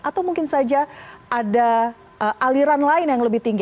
atau mungkin saja ada aliran lain yang lebih tinggi